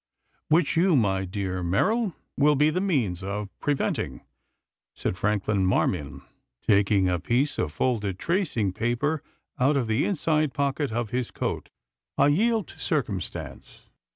"Which you, my dear Merrill, will be the means of preventing," said Franklin Marmion, taking a piece of folded tracing paper out of the inside pocket of his coat. "I yield to circumstance.